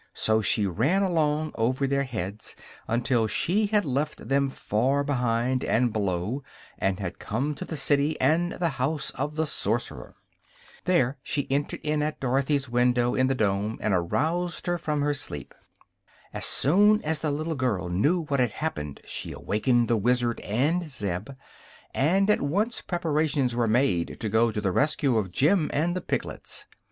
So she ran along over their heads until she had left them far behind and below and had come to the city and the House of the Sorcerer. There she entered in at Dorothy's window in the dome and aroused her from her sleep. As soon as the little girl knew what had happened she awakened the Wizard and Zeb, and at once preparations were made to go to the rescue of Jim and the piglets.